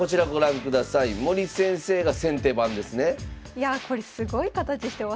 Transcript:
いやあこれすごい形してますね。